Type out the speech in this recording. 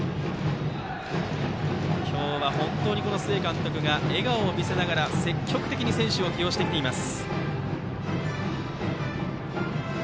今日は須江監督が笑顔を見せながら積極的に選手を起用しています。